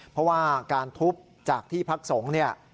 เพราะว่าการทุบจากที่พักสงฆ์เนี่ย